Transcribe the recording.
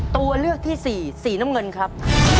ตัวเลือกที่สี่สีน้ำเงินครับ